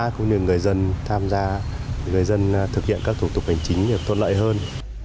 cũng như người dân tham gia người dân thực hiện các thủ tục hành chính được thuận lợi hơn